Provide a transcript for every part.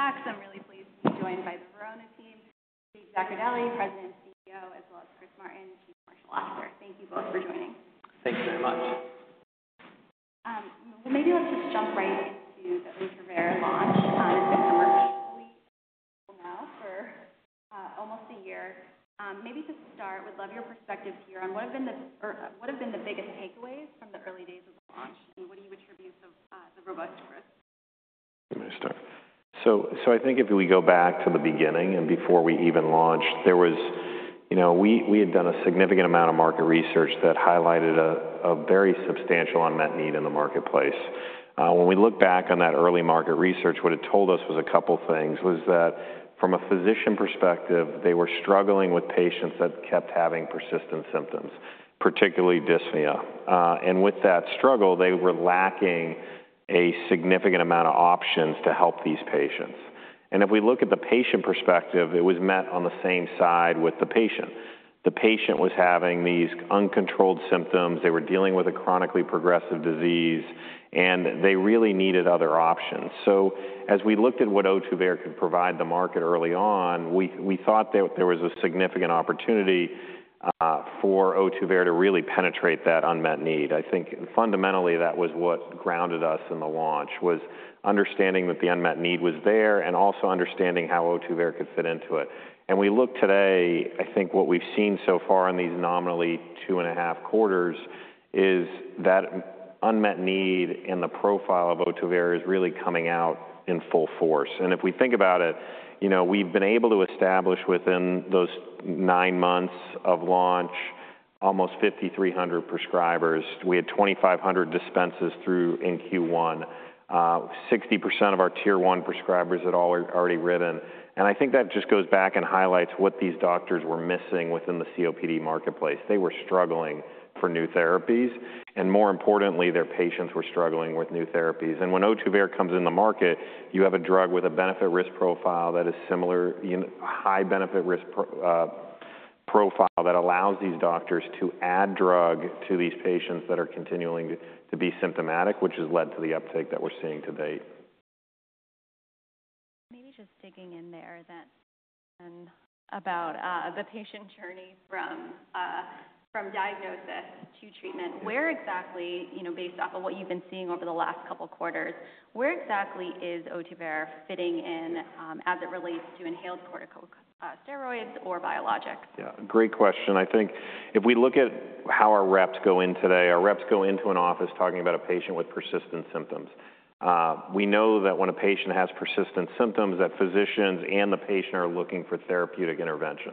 I was checking in the list at Goldman Sachs. I'm really pleased to be joined by the Verona team, Steve Zaccardelli, President and CEO, as well as Chris Martin, Chief Commercial Officer. Thank you both for joining. Thank you very much. Maybe let's just jump right into the Ohtuvayre launch. It's been commercially available now for almost a year. Maybe to start, we'd love your perspective here on what have been the biggest takeaways from the early days of the launch, and what do you attribute to the robust growth? Let me start. I think if we go back to the beginning and before we even launched, there was, you know, we had done a significant amount of market research that highlighted a very substantial unmet need in the marketplace. When we look back on that early market research, what it told us was a couple of things: from a physician perspective, they were struggling with patients that kept having persistent symptoms, particularly dyspnea. With that struggle, they were lacking a significant amount of options to help these patients. If we look at the patient perspective, it was met on the same side with the patient. The patient was having these uncontrolled symptoms. They were dealing with a chronically progressive disease, and they really needed other options. As we looked at what Ohtuvayre could provide the market early on, we thought that there was a significant opportunity for Ohtuvayre to really penetrate that unmet need. I think fundamentally that was what grounded us in the launch, was understanding that the unmet need was there and also understanding how Ohtuvayre could fit into it. We look today, I think what we've seen so far in these nominally two and a half quarters is that unmet need and the profile of Ohtuvayre is really coming out in full force. If we think about it, you know, we've been able to establish within those nine months of launch almost 5,300 prescribers. We had 2,500 dispenses through in Q1, 60% of our tier one prescribers had already written. I think that just goes back and highlights what these doctors were missing within the COPD marketplace. They were struggling for new therapies, and more importantly, their patients were struggling with new therapies. When Ohtuvayre comes in the market, you have a drug with a benefit-risk profile that is similar, a high benefit-risk profile that allows these doctors to add drug to these patients that are continuing to be symptomatic, which has led to the uptake that we're seeing today. Maybe just digging in there then about the patient journey from diagnosis to treatment, where exactly, you know, based off of what you've been seeing over the last couple of quarters, where exactly is Ohtuvayre fitting in as it relates to inhaled corticosteroids or biologics? Yeah, great question. I think if we look at how our reps go in today, our reps go into an office talking about a patient with persistent symptoms. We know that when a patient has persistent symptoms, that physicians and the patient are looking for therapeutic intervention.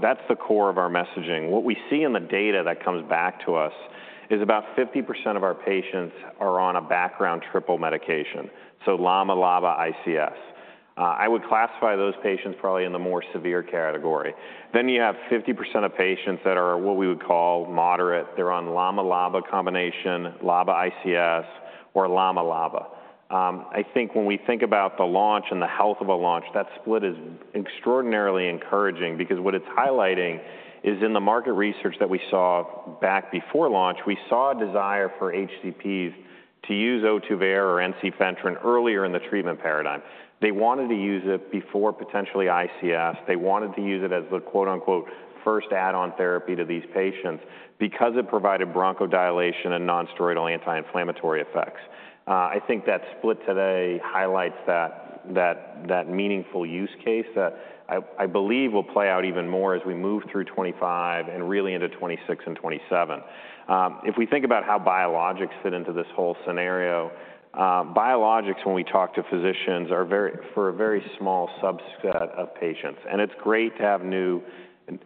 That is the core of our messaging. What we see in the data that comes back to us is about 50% of our patients are on a background triple medication, so LAMA, LABA, ICS. I would classify those patients probably in the more severe category. You have 50% of patients that are what we would call moderate. They are on LAMA, LABA comb]]ation, LABA, ICS, or LAMA, LABA. I think when we think about the launch and the health of a launch, that split is extraordinarily encouraging because what it's highlighting is in the market research that we saw back before launch, we saw a desire for HCPs to use Ohtuvayre or ensifentrine earlier in the treatment paradigm. They wanted to use it before potentially ICS. They wanted to use it as the "first add-on therapy" to these patients because it provided bronchodilation and nonsteroidal anti-inflammatory effects. I think that split today highlights that meaningful use case that I believe will play out even more as we move through 2025 and really into 2026 and 2027. If we think about how biologics fit into this whole scenario, biologics, when we talk to physicians, are for a very small subset of patients. It is great to have new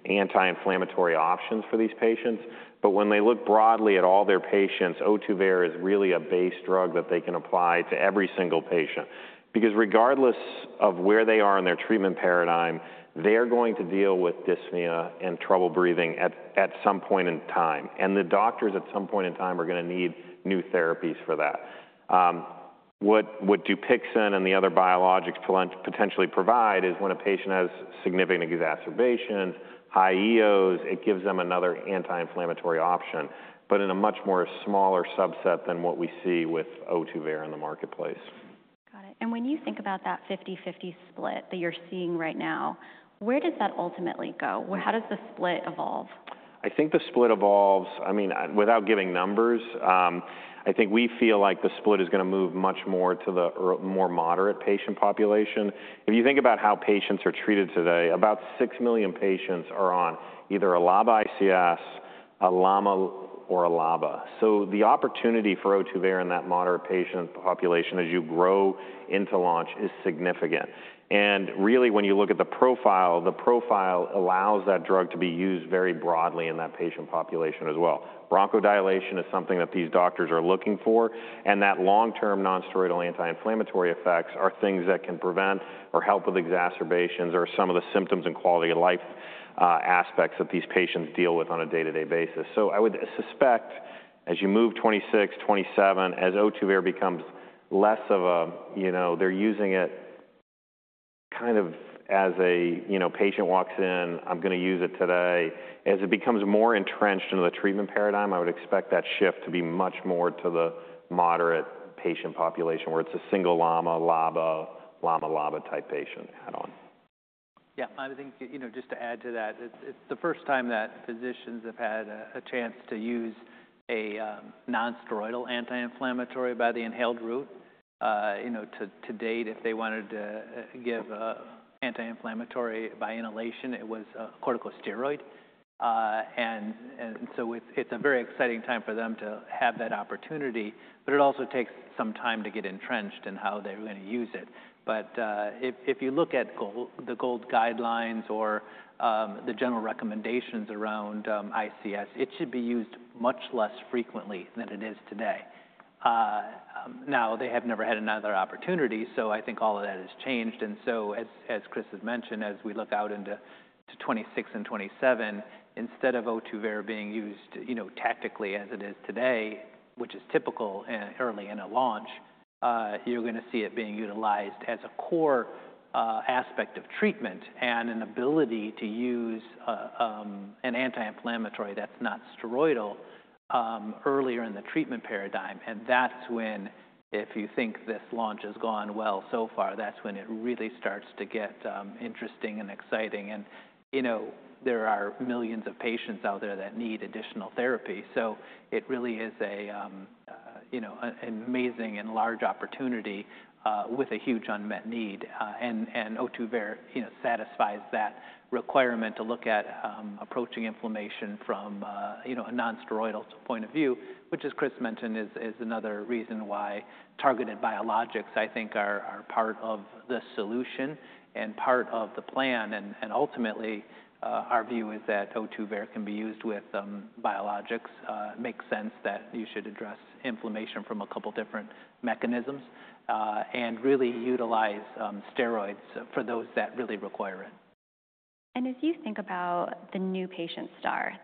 anti-inflammatory options for these patients, but when they look broadly at all their patients, Ohtuvayre is really a base drug that they can apply to every single patient because regardless of where they are in their treatment paradigm, they are going to deal with dyspnea and trouble breathing at some point in time. The doctors at some point in time are going to need new therapies for that. What Dupixent and the other biologics potentially provide is when a patient has significant exacerbations, high EOs, it gives them another anti-inflammatory option, but in a much more smaller subset than what we see with Ohtuvayre in the marketplace. Got it. When you think about that 50/50 split that you're seeing right now, where does that ultimately go? How does the split evolve? I think the split evolves, I mean, without giving numbers, I think we feel like the split is going to move much more to the more moderate patient population. If you think about how patients are treated today, about 6 million patients are on either a LABA, ICS, a LAMA, or a LABA. The opportunity for Ohtuvayre in that moderate patient population as you grow into launch is significant. Really, when you look at the profile, the profile allows that drug to be used very broadly in that patient population as well. Bronchodilation is something that these doctors are looking for, and that long-term nonsteroidal anti-inflammatory effects are things that can prevent or help with exacerbations or some of the symptoms and quality of life aspects that these patients deal with on a day-to-day basis. I would suspect as you move into 2026, 2027, as Ohtuvayre becomes less of a, you know, they're using it kind of as a, you know, patient walks in, I'm going to use it today. As it becomes more entrenched into the treatment paradigm, I would expect that shift to be much more to the moderate patient population where it's a single LAMA, LABA, LAMA, LABA type patient add-on. Yeah, I think, you know, just to add to that, it's the first time that physicians have had a chance to use a nonsteroidal anti-inflammatory by the inhaled route. You know, to date, if they wanted to give anti-inflammatory by inhalation, it was a corticosteroid. It's a very exciting time for them to have that opportunity, but it also takes some time to get entrenched in how they're going to use it. If you look at the GOLD guidelines or the general recommendations around ICS, it should be used much less frequently than it is today. Now, they have never had another opportunity, so I think all of that has changed. As Chris has mentioned, as we look out into 2026 and 2027, instead of Ohtuvayre being used, you know, tactically as it is today, which is typical early in a launch, you're going to see it being utilized as a core aspect of treatment and an ability to use an anti-inflammatory that's not steroidal earlier in the treatment paradigm. If you think this launch has gone well so far, that's when it really starts to get interesting and exciting. You know, there are millions of patients out there that need additional therapy. It really is a, you know, an amazing and large opportunity with a huge unmet need. Ohtuvayre, you know, satisfies that requirement to look at approaching inflammation from, you know, a nonsteroidal point of view, which, as Chris mentioned, is another reason why targeted biologics, I think, are part of the solution and part of the plan. Ultimately, our view is that Ohtuvayre can be used with biologics. It makes sense that you should address inflammation from a couple of different mechanisms and really utilize steroids for those that really require it. As you think about the new patient starts,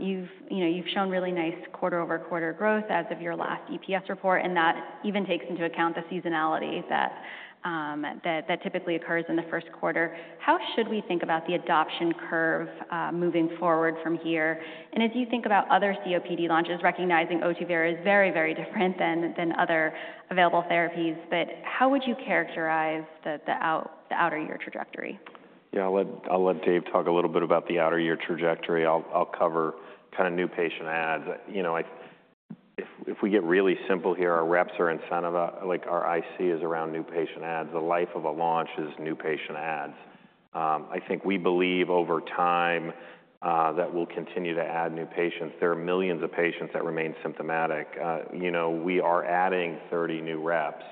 you've, you know, you've shown really nice quarter-over-quarter growth as of your last EPS report, and that even takes into account the seasonality that typically occurs in the first quarter. How should we think about the adoption curve moving forward from here? As you think about other COPD launches, recognizing Ohtuvayre is very, very different than other available therapies, how would you characterize the outer year trajectory? Yeah, I'll let Dave talk a little bit about the outer year trajectory. I'll cover kind of new patient adds. You know, if we get really simple here, our reps are incentive, like our IC is around new patient adds. The life of a launch is new patient adds. I think we believe over time that we'll continue to add new patients. There are millions of patients that remain symptomatic. You know, we are adding 30 new reps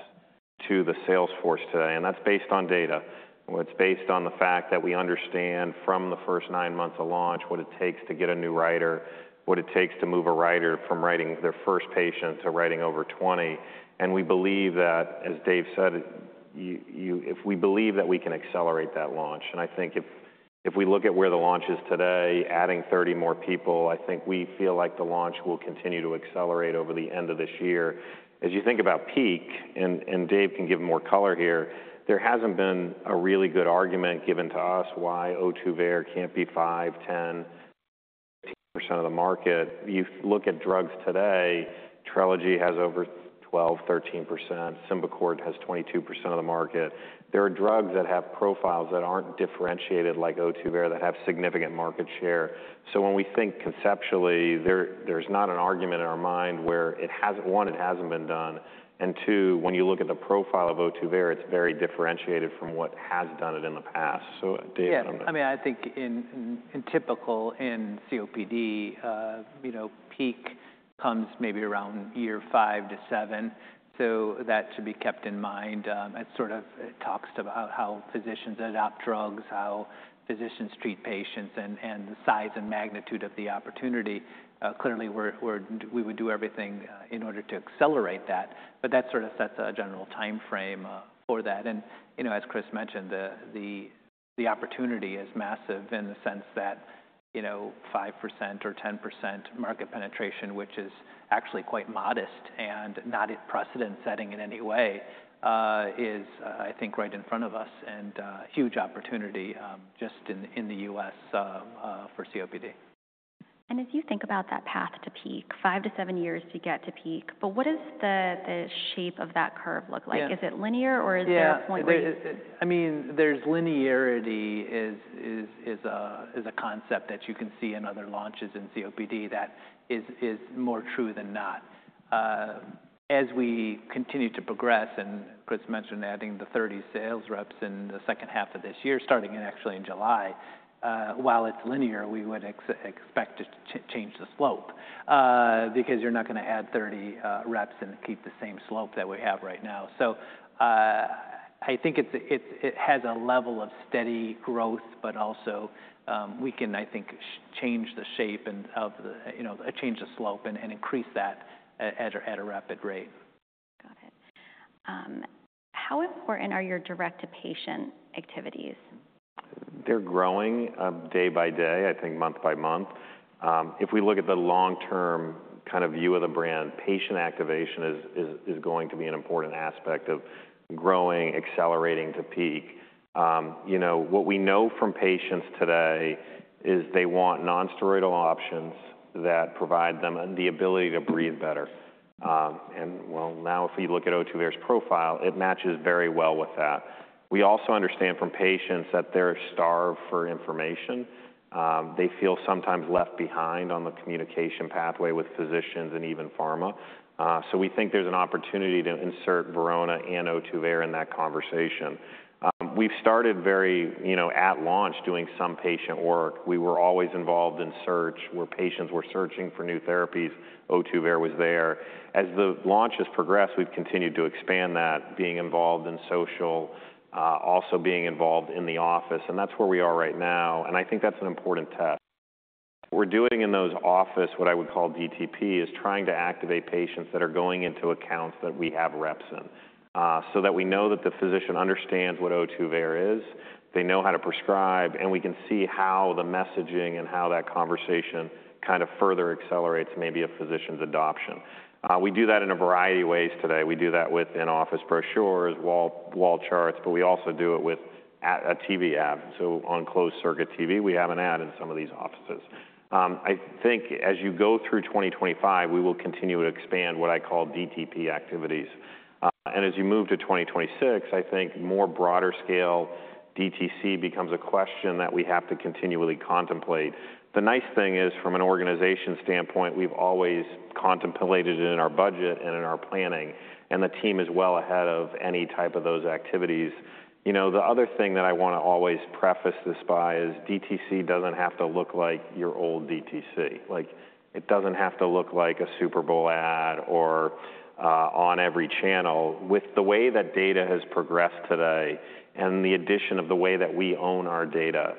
to the salesforce today, and that's based on data. It's based on the fact that we understand from the first nine months of launch what it takes to get a new writer, what it takes to move a writer from writing their first patient to writing over 20. And we believe that, as Dave said, if we believe that we can accelerate that launch. I think if we look at where the launch is today, adding 30 more people, I think we feel like the launch will continue to accelerate over the end of this year. As you think about peak, and Dave can give more color here, there hasn't been a really good argument given to us why Ohtuvayre can't be 5%, 10%, 15% of the market. You look at drugs today, Trelegy has over 12%, 13%. Symbicort has 22% of the market. There are drugs that have profiles that aren't differentiated like Ohtuvayre that have significant market share. When we think conceptually, there's not an argument in our mind where it hasn't, one, it hasn't been done. Two, when you look at the profile of Ohtuvayre, it's very differentiated from what has done it in the past. Dave, I'm not. Yeah, I mean, I think in typical in COPD, you know, peak comes maybe around year five to seven. That should be kept in mind. It sort of talks about how physicians adopt drugs, how physicians treat patients, and the size and magnitude of the opportunity. Clearly, we would do everything in order to accelerate that, but that sort of sets a general timeframe for that. You know, as Chris mentioned, the opportunity is massive in the sense that, you know, 5% or 10% market penetration, which is actually quite modest and not in precedent setting in any way, is, I think, right in front of us and a huge opportunity just in the U.S. for COPD. As you think about that path to peak, five to seven years to get to peak, what does the shape of that curve look like? Is it linear or is there a point where? Yeah, I mean, linearity is a concept that you can see in other launches in COPD that is more true than not. As we continue to progress, and Chris mentioned adding the 30 sales reps in the second half of this year, starting actually in July, while it's linear, we would expect to change the slope because you're not going to add 30 reps and keep the same slope that we have right now. I think it has a level of steady growth, but also we can, I think, change the shape and, you know, change the slope and increase that at a rapid rate. Got it. How important are your direct-to-patient activities? They're growing day by day, I think month by month. If we look at the long-term kind of view of the brand, patient activation is going to be an important aspect of growing, accelerating to peak. You know, what we know from patients today is they want nonsteroidal options that provide them the ability to breathe better. Now, if we look at Ohtuvayre's profile, it matches very well with that. We also understand from patients that they're starved for information. They feel sometimes left behind on the communication pathway with physicians and even pharma. We think there's an opportunity to insert Verona and Ohtuvayre in that conversation. We've started very, you know, at launch doing some patient work. We were always involved in search where patients were searching for new therapies. Ohtuvayre was there. As the launch has progressed, we've continued to expand that, being involved in social, also being involved in the office. That is where we are right now. I think that is an important test. What we are doing in those offices, what I would call DTP, is trying to activate patients that are going into accounts that we have reps in so that we know that the physician understands what Ohtuvayre is, they know how to prescribe, and we can see how the messaging and how that conversation kind of further accelerates maybe a physician's adoption. We do that in a variety of ways today. We do that with in-office brochures, wall charts, but we also do it with a TV ad. On closed-circuit TV, we have an ad in some of these offices. I think as you go through 2025, we will continue to expand what I call DTP activities. As you move to 2026, I think more broader scale DTC becomes a question that we have to continually contemplate. The nice thing is from an organization standpoint, we've always contemplated it in our budget and in our planning, and the team is well ahead of any type of those activities. You know, the other thing that I want to always preface this by is DTC doesn't have to look like your old DTC. Like it doesn't have to look like a Super Bowl ad or on every channel. With the way that data has progressed today and the addition of the way that we own our data,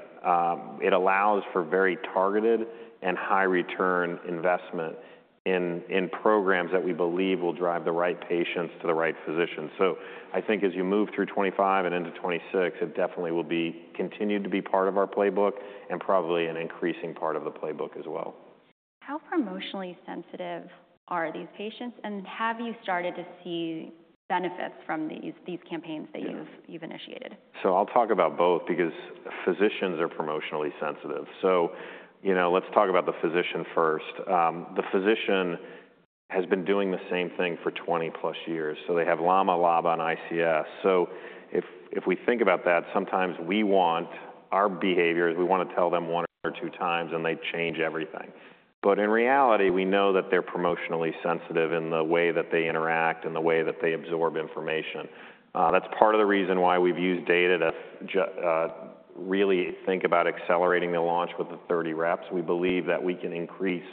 it allows for very targeted and high-return investment in programs that we believe will drive the right patients to the right physician. I think as you move through 2025 and into 2026, it definitely will continue to be part of our playbook and probably an increasing part of the playbook as well. How promotionally sensitive are these patients, and have you started to see benefits from these campaigns that you've initiated? I'll talk about both because physicians are promotionally sensitive. You know, let's talk about the physician first. The physician has been doing the same thing for 20 plus years. They have LAMA, LABA, and ICS. If we think about that, sometimes we want our behaviors, we want to tell them one or two times and they change everything. In reality, we know that they're promotionally sensitive in the way that they interact and the way that they absorb information. That's part of the reason why we've used data to really think about accelerating the launch with the 30 reps. We believe that we can increase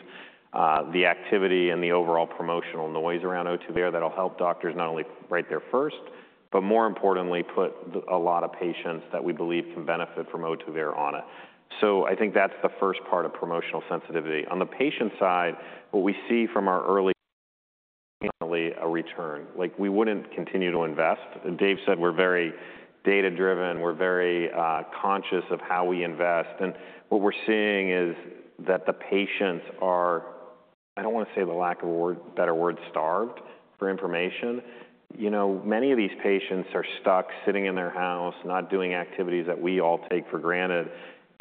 the activity and the overall promotional noise around Ohtuvayre that'll help doctors not only write their first, but more importantly, put a lot of patients that we believe can benefit from Ohtuvayre on it. I think that's the first part of promotional sensitivity. On the patient side, what we see from our early. Yeah. A return. Like we wouldn't continue to invest. Dave said we're very data-driven. We're very conscious of how we invest. What we're seeing is that the patients are, I don't want to say, for lack of a better word, starved for information. You know, many of these patients are stuck sitting in their house, not doing activities that we all take for granted,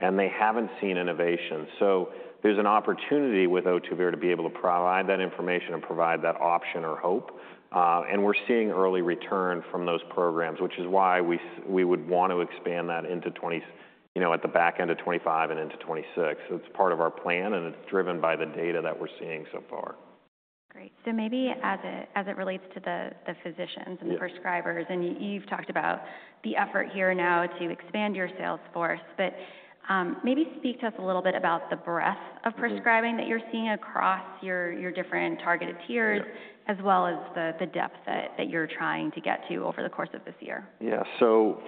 and they haven't seen innovation. There is an opportunity with Ohtuvayre to be able to provide that information and provide that option or hope. We're seeing early return from those programs, which is why we would want to expand that into 2025, you know, at the back end of 2025 and into 2026. It's part of our plan, and it's driven by the data that we're seeing so far. Great. Maybe as it relates to the physicians and the prescribers, and you've talked about the effort here now to expand your salesforce, but maybe speak to us a little bit about the breadth of prescribing that you're seeing across your different targeted tiers, as well as the depth that you're trying to get to over the course of this year. Yeah.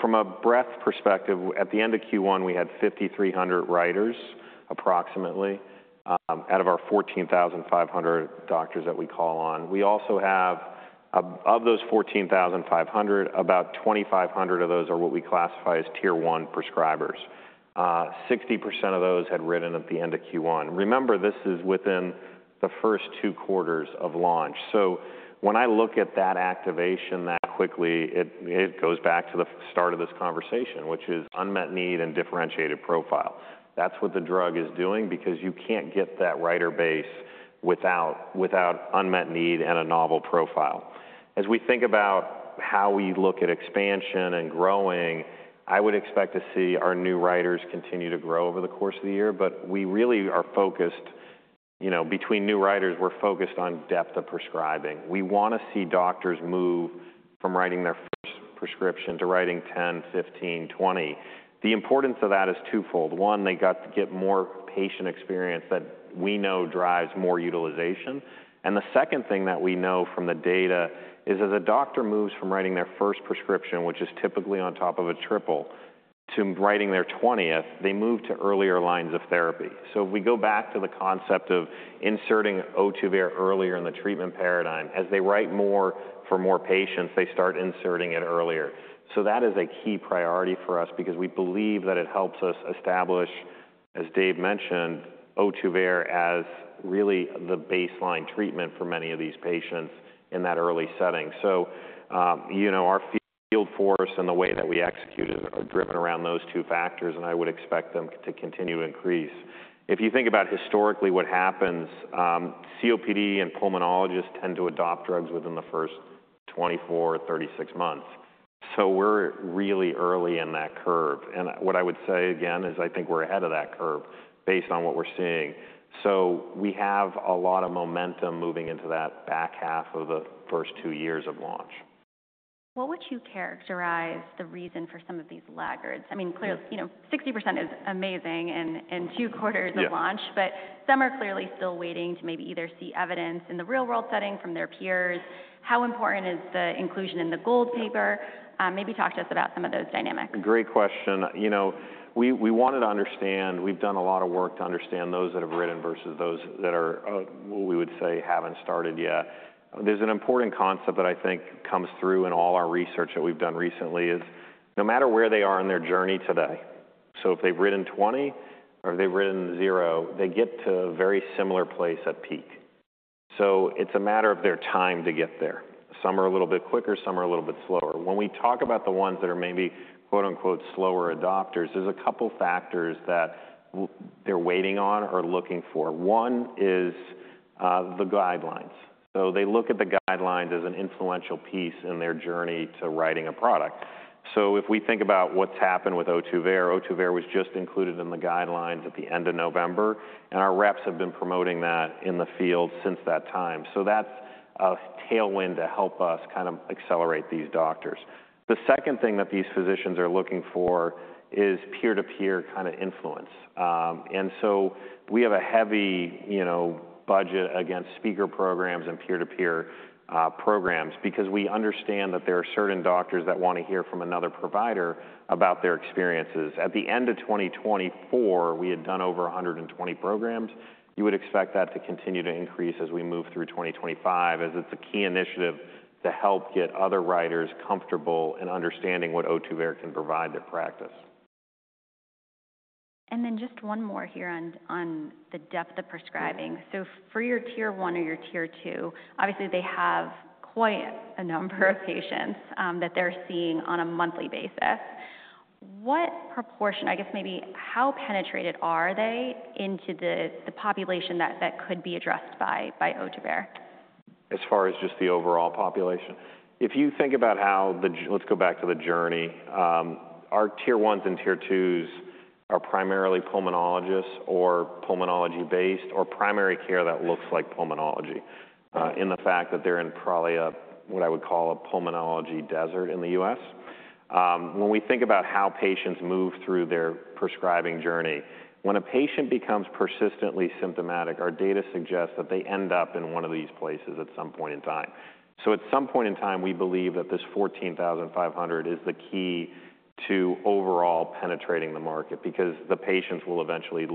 From a breadth perspective, at the end of Q1, we had 5,300 writers approximately out of our 14,500 doctors that we call on. We also have, of those 14,500, about 2,500 of those are what we classify as tier one prescribers. 60% of those had written at the end of Q1. Remember, this is within the first two quarters of launch. When I look at that activation that quickly, it goes back to the start of this conversation, which is unmet need and differentiated profile. That is what the drug is doing because you cannot get that writer base without unmet need and a novel profile. As we think about how we look at expansion and growing, I would expect to see our new writers continue to grow over the course of the year, but we really are focused, you know, between new writers, we're focused on depth of prescribing. We want to see doctors move from writing their first prescription to writing 10, 15, 20. The importance of that is twofold. One, they get more patient experience that we know drives more utilization. The second thing that we know from the data is as a doctor moves from writing their first prescription, which is typically on top of a triple, to writing their 20th, they move to earlier lines of therapy. If we go back to the concept of inserting Ohtuvayre earlier in the treatment paradigm, as they write more for more patients, they start inserting it earlier. That is a key priority for us because we believe that it helps us establish, as Dave mentioned, Ohtuvayre as really the baseline treatment for many of these patients in that early setting. You know, our field force and the way that we execute it are driven around those two factors, and I would expect them to continue to increase. If you think about historically what happens, COPD and pulmonologists tend to adopt drugs within the first 24 or 36 months. We are really early in that curve. What I would say again is I think we are ahead of that curve based on what we are seeing. We have a lot of momentum moving into that back half of the first two years of launch. What would you characterize the reason for some of these laggards? I mean, clearly, you know, 60% is amazing in two quarters of launch, but some are clearly still waiting to maybe either see evidence in the real-world setting from their peers. How important is the inclusion in the GOLD paper? Maybe talk to us about some of those dynamics. Great question. You know, we wanted to understand, we've done a lot of work to understand those that have written versus those that are, what we would say, haven't started yet. There's an important concept that I think comes through in all our research that we've done recently is no matter where they are in their journey today, so if they've written 20 or they've written zero, they get to a very similar place at peak. It is a matter of their time to get there. Some are a little bit quicker, some are a little bit slower. When we talk about the ones that are maybe "slower adopters," there's a couple of factors that they're waiting on or looking for. One is the guidelines. They look at the guidelines as an influential piece in their journey to writing a product. If we think about what's happened with Ohtuvayre, Ohtuvayre was just included in the guidelines at the end of November, and our reps have been promoting that in the field since that time. That's a tailwind to help us kind of accelerate these doctors. The second thing that these physicians are looking for is peer-to-peer kind of influence. We have a heavy, you know, budget against speaker programs and peer-to-peer programs because we understand that there are certain doctors that want to hear from another provider about their experiences. At the end of 2024, we had done over 120 programs. You would expect that to continue to increase as we move through 2025 as it's a key initiative to help get other writers comfortable in understanding what Ohtuvayre can provide their practice. Just one more here on the depth of prescribing. For your tier one or your tier two, obviously they have quite a number of patients that they're seeing on a monthly basis. What proportion, I guess maybe how penetrated are they into the population that could be addressed by Ohtuvayre? As far as just the overall population? If you think about how the, let's go back to the journey, our tier ones and tier twos are primarily pulmonologists or pulmonology-based or primary care that looks like pulmonology in the fact that they're in probably a, what I would call a pulmonology desert in the U.S. When we think about how patients move through their prescribing journey, when a patient becomes persistently symptomatic, our data suggests that they end up in one of these places at some point in time. At some point in time, we believe that this 14,500 is the key to overall penetrating the market because the patients will eventually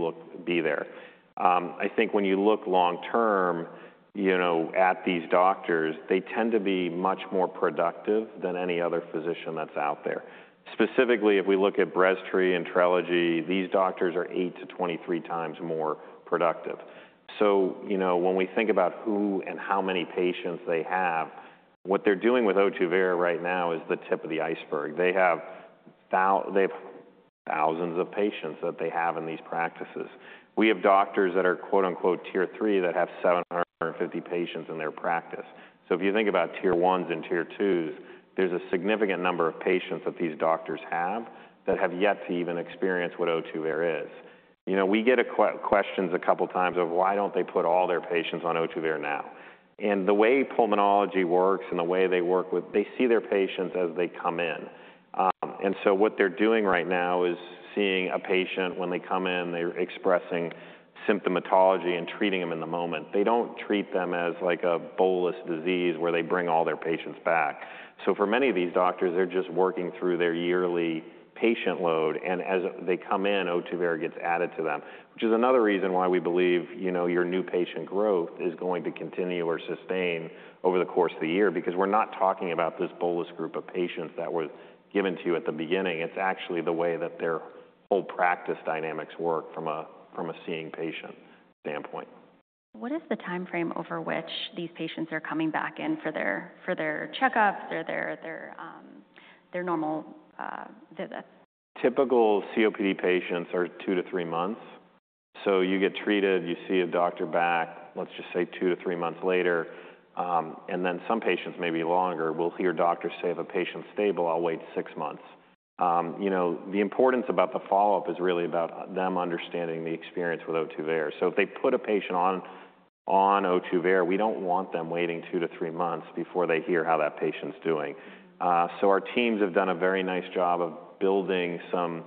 be there. I think when you look long-term, you know, at these doctors, they tend to be much more productive than any other physician that's out there. Specifically, if we look at Breztri and Trelegy, these doctors are 8-23 times more productive. You know, when we think about who and how many patients they have, what they're doing with Ohtuvayre right now is the tip of the iceberg. They have thousands of patients that they have in these practices. We have doctors that are "tier three" that have 750 patients in their practice. If you think about tier ones and tier twos, there's a significant number of patients that these doctors have that have yet to even experience what Ohtuvayre is. You know, we get questions a couple of times of why don't they put all their patients on Ohtuvayre now. The way pulmonology works and the way they work with, they see their patients as they come in. What they are doing right now is seeing a patient when they come in, they are expressing symptomatology and treating them in the moment. They do not treat them as like a bolus disease where they bring all their patients back. For many of these doctors, they are just working through their yearly patient load. As they come in, Ohtuvayre gets added to them, which is another reason why we believe, you know, your new patient growth is going to continue or sustain over the course of the year because we are not talking about this bolus group of patients that were given to you at the beginning. It is actually the way that their whole practice dynamics work from a seeing patient standpoint. What is the timeframe over which these patients are coming back in for their checkups or their normal visits? Typical COPD patients are two to three months. You get treated, you see a doctor back, let's just say two to three months later. Some patients may be longer. You'll hear doctors say, "If a patient's stable, I'll wait six months." You know, the importance about the follow-up is really about them understanding the experience with Ohtuvayre. If they put a patient on Ohtuvayre, we don't want them waiting two to three months before they hear how that patient's doing. Our teams have done a very nice job of building some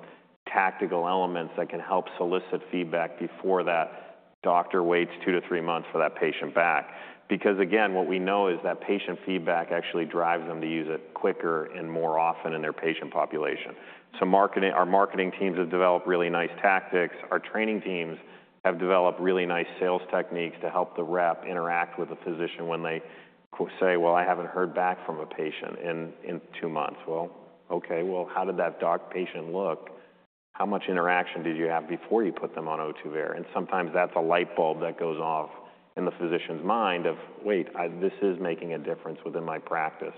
tactical elements that can help solicit feedback before that doctor waits two to three months for that patient back. Again, what we know is that patient feedback actually drives them to use it quicker and more often in their patient population. Our marketing teams have developed really nice tactics. Our training teams have developed really nice sales techniques to help the rep interact with the physician when they say, "Well, I haven't heard back from a patient in two months." Okay, how did that doc patient look? How much interaction did you have before you put them on Ohtuvayre? Sometimes that's a light bulb that goes off in the physician's mind of, "Wait, this is making a difference within my practice."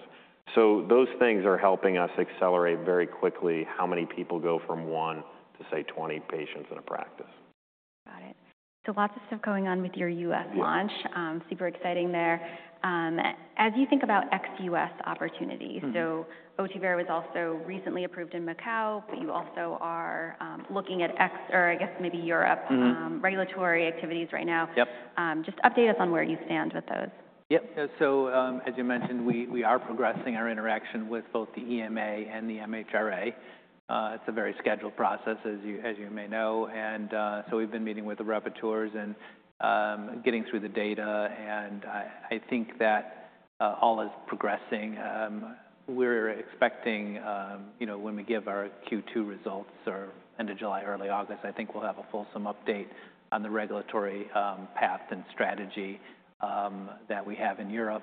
Those things are helping us accelerate very quickly how many people go from one to say 20 patients in a practice. Got it. So lots of stuff going on with your U.S. launch. Super exciting there. As you think about ex-U.S. opportunities, so Ohtuvayre was also recently approved in Macau, but you also are looking at ex, or I guess maybe Europe regulatory activities right now. Just update us on where you stand with those. Yep. As you mentioned, we are progressing our interaction with both the EMA and the MHRA. It's a very scheduled process, as you may know. We've been meeting with the rapporteurs and getting through the data. I think that all is progressing. We're expecting, you know, when we give our Q2 results or end of July, early August, I think we'll have a fulsome update on the regulatory path and strategy that we have in Europe.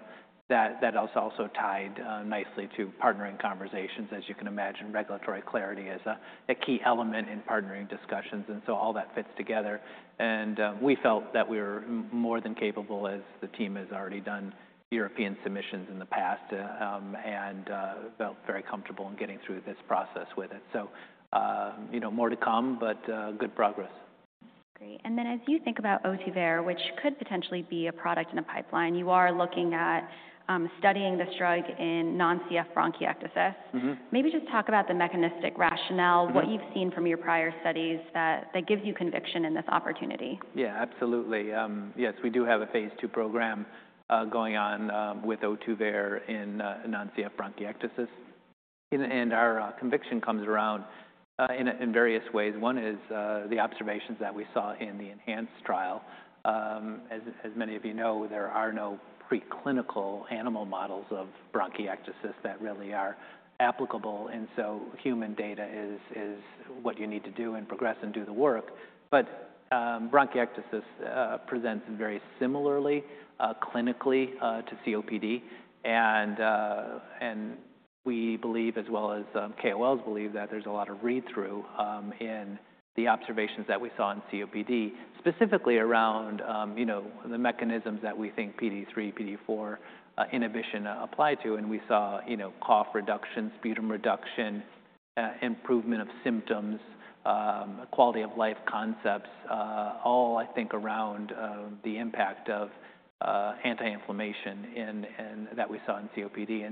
That's also tied nicely to partnering conversations, as you can imagine. Regulatory clarity is a key element in partnering discussions. All that fits together. We felt that we were more than capable, as the team has already done European submissions in the past, and felt very comfortable in getting through this process with it. You know, more to come, but good progress. Great. As you think about Ohtuvayre, which could potentially be a product in a pipeline, you are looking at studying this drug in non-CF bronchiectasis. Maybe just talk about the mechanistic rationale, what you've seen from your prior studies that gives you conviction in this opportunity. Yeah, absolutely. Yes, we do have a phase two program going on with Ohtuvayre in non-CF bronchiectasis. And our conviction comes around in various ways. One is the observations that we saw in the ENHANCE trial. As many of you know, there are no preclinical animal models of bronchiectasis that really are applicable. And so human data is what you need to do and progress and do the work. But bronchiectasis presents very similarly clinically to COPD. And we believe, as well as KOLs believe, that there's a lot of read-through in the observations that we saw in COPD, specifically around, you know, the mechanisms that we think PDE3, PDE4 inhibition apply to. And we saw, you know, cough reduction, sputum reduction, improvement of symptoms, quality of life concepts, all I think around the impact of anti-inflammation that we saw in COPD.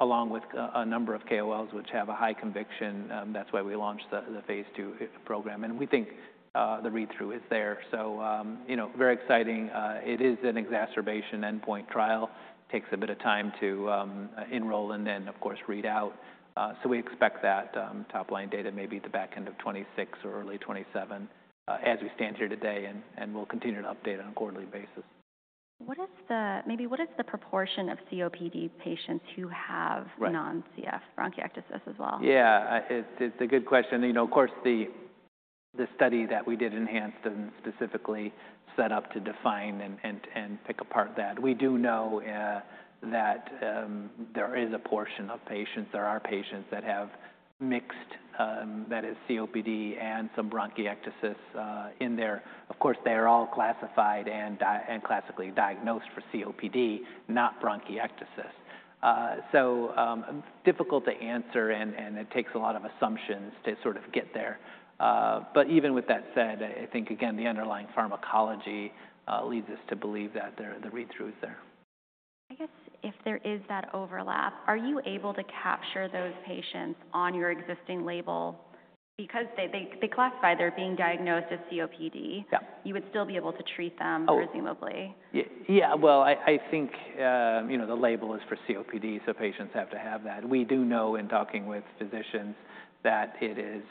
Along with a number of KOLs, which have a high conviction, that's why we launched the phase two program. We think the read-through is there. You know, very exciting. It is an exacerbation endpoint trial. Takes a bit of time to enroll and then, of course, read out. We expect that top line data may be at the back end of 2026 or early 2027 as we stand here today. We'll continue to update on a quarterly basis. What is the, maybe what is the proportion of COPD patients who have non-CF bronchiectasis as well? Yeah, it's a good question. You know, of course, the study that we did, ENHANCE, and specifically set up to define and pick apart that. We do know that there is a portion of patients, there are patients that have mixed, that is COPD and some bronchiectasis in there. Of course, they are all classified and classically diagnosed for COPD, not bronchiectasis. Difficult to answer, and it takes a lot of assumptions to sort of get there. Even with that said, I think again, the underlying pharmacology leads us to believe that the read-through is there. I guess if there is that overlap, are you able to capture those patients on your existing label? Because they classify, they're being diagnosed as COPD, you would still be able to treat them presumably. Yeah, I think, you know, the label is for COPD, so patients have to have that. We do know in talking with physicians that it is,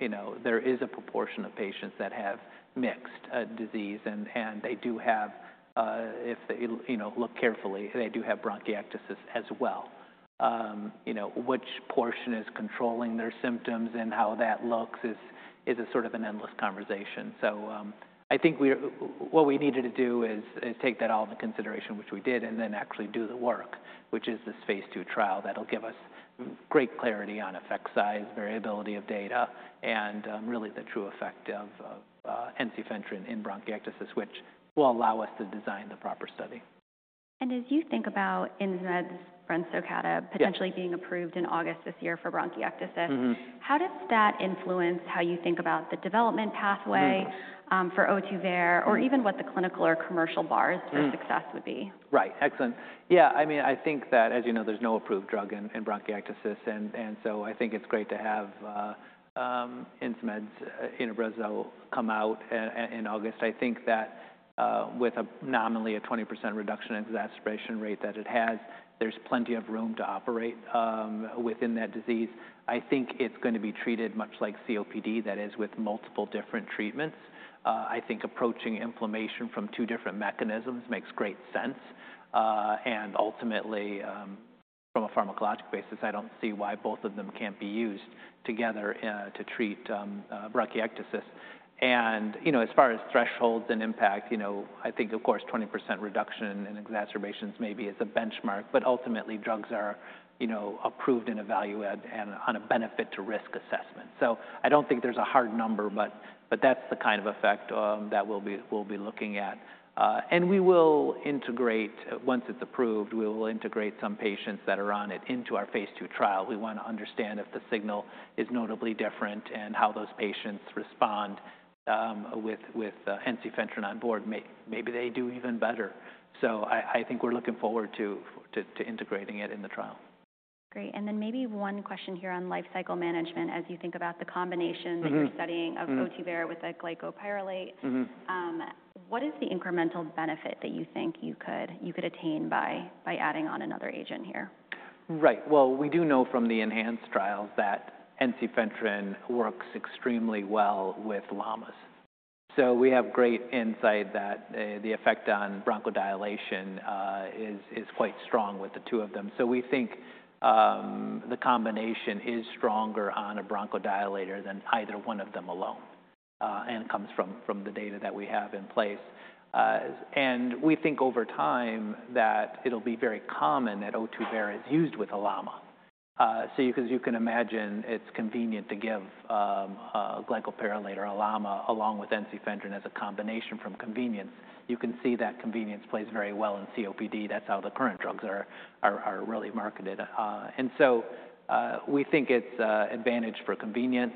you know, there is a proportion of patients that have mixed disease, and they do have, if they, you know, look carefully, they do have bronchiectasis as well. You know, which portion is controlling their symptoms and how that looks is a sort of an endless conversation. I think what we needed to do is take that all into consideration, which we did, and then actually do the work, which is this phase two trial that'll give us great clarity on effect size, variability of data, and really the true effect of ensifentrine in bronchiectasis, which will allow us to design the proper study. As you think about Insmed's Brensocatib potentially being approved in August this year for bronchiectasis, how does that influence how you think about the development pathway for Ohtuvayre or even what the clinical or commercial bars for success would be? Right, excellent. Yeah, I mean, I think that, as you know, there's no approved drug in bronchiectasis. I think it's great to have Insmed's Brensocatib come out in August. I think that with a nominally a 20% reduction in exacerbation rate that it has, there's plenty of room to operate within that disease. I think it's going to be treated much like COPD, that is with multiple different treatments. I think approaching inflammation from two different mechanisms makes great sense. Ultimately, from a pharmacologic basis, I don't see why both of them can't be used together to treat bronchiectasis. You know, as far as thresholds and impact, you know, I think of course 20% reduction in exacerbations maybe is a benchmark, but ultimately drugs are, you know, approved in a value add and on a benefit to risk assessment. I don't think there's a hard number, but that's the kind of effect that we'll be looking at. We will integrate, once it's approved, we will integrate some patients that are on it into our phase two trial. We want to understand if the signal is notably different and how those patients respond with Ohtuvayre on board. Maybe they do even better. I think we're looking forward to integrating it in the trial. Great. Maybe one question here on lifecycle management as you think about the combination that you're studying of Ohtuvayre with glycopyrrolate. What is the incremental benefit that you think you could attain by adding on another agent here? Right. We do know from the ENHANCE trials that ensifentrine works extremely well with LAMAs. We have great insight that the effect on bronchodilation is quite strong with the two of them. We think the combination is stronger on a bronchodilator than either one of them alone and comes from the data that we have in place. We think over time that it will be very common that Ohtuvayre is used with a LAMA. As you can imagine, it is convenient to give glycopyrrolate or a LAMA along with ensifentrine as a combination from convenience. You can see that convenience plays very well in COPD. That is how the current drugs are really marketed. We think it is an advantage for convenience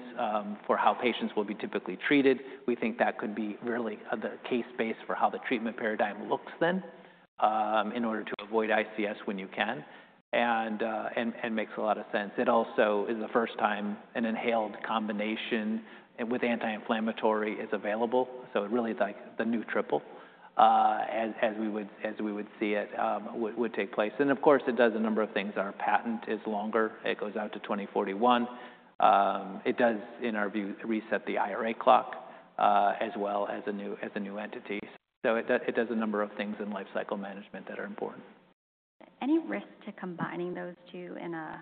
for how patients will be typically treated. We think that could be really the case base for how the treatment paradigm looks then in order to avoid ICS when you can. It makes a lot of sense. It also is the first time an inhaled combination with anti-inflammatory is available. Really like the new triple as we would see it would take place. It does a number of things. Our patent is longer. It goes out to 2041. It does, in our view, reset the IRA clock as well as a new entity. It does a number of things in lifecycle management that are important. Any risk to combining those two in a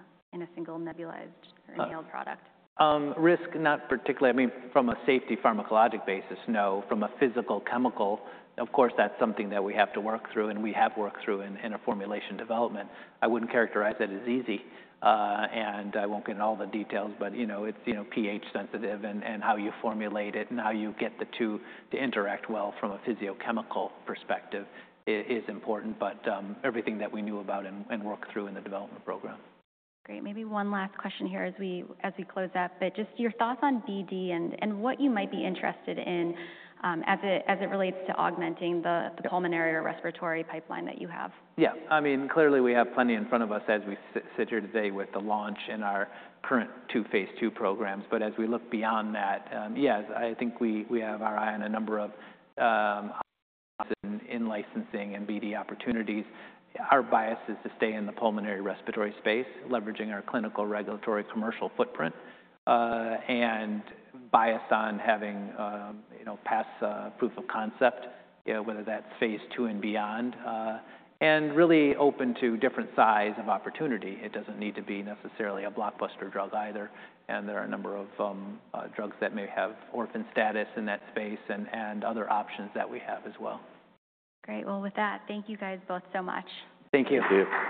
single nebulized inhaled product? Risk, not particularly. I mean, from a safety pharmacologic basis, no. From a physical chemical, of course that's something that we have to work through and we have worked through in our formulation development. I wouldn't characterize it as easy. I won't get into all the details, but you know, it's pH-sensitive and how you formulate it and how you get the two to interact well from a physicochemical perspective is important. But everything that we knew about and worked through in the development program. Great. Maybe one last question here as we close up, but just your thoughts on BD and what you might be interested in as it relates to augmenting the pulmonary or respiratory pipeline that you have. Yeah, I mean, clearly we have plenty in front of us as we sit here today with the launch in our current two phase two programs. As we look beyond that, yes, I think we have our eye on a number of in-licensing and BD opportunities. Our bias is to stay in the pulmonary respiratory space, leveraging our clinical regulatory commercial footprint and bias on having, you know, past proof of concept, whether that's phase two and beyond. Really open to different size of opportunity. It doesn't need to be necessarily a blockbuster drug either. There are a number of drugs that may have orphan status in that space and other options that we have as well. Great. With that, thank you guys both so much. Thank you.